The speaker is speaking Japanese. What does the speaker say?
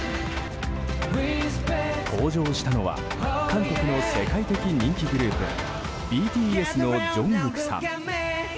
登場したのは韓国の世界的人気グループＢＴＳのジョングクさん。